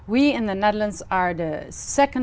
gửi một người đại diện